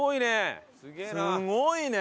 すごいね！